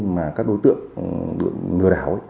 mà các đối tượng lừa đảo